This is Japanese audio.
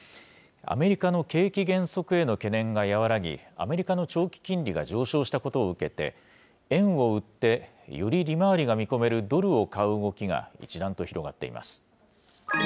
アメリカの景気減速への懸念が和らぎ、アメリカの長期金利が上昇したことを受けて、円を売ってより利回りが見込めるドルを買う動きが一段と広がっています。